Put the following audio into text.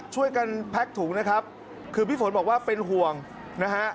แพ็กถุงนะครับคือพี่ฝนบอกว่าเป็นห่วงนะฮะ